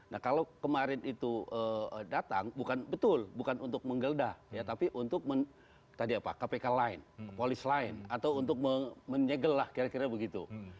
nah kalau kemarin itu datang bukan untuk menggeledah tapi untuk kpk lain polis lain atau untuk menyegel lah kira kira begitu